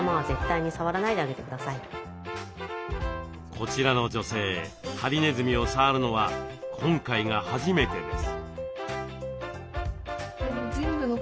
こちらの女性ハリネズミを触るのは今回が初めてです。